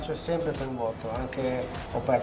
karena sepak bola adalah pasien saya